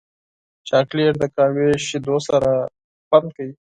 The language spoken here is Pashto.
چاکلېټ د قهوې شیدو سره مزه کوي.